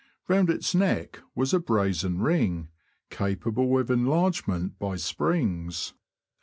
Round its neck was a brazen ring, capable of enlarge ment by springs.